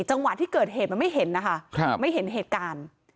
จังหวะที่เกิดเหตุมันไม่เห็นนะคะไม่เห็นเหตุการณ์